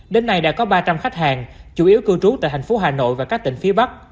đến nay đã có ba trăm linh khách hàng chủ yếu cư trú tại thành phố hà nội và các tỉnh phía bắc